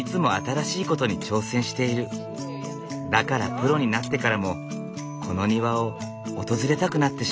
だからプロになってからもこの庭を訪れたくなってしまう。